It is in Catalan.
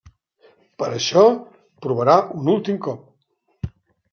Per això, provarà un últim cop.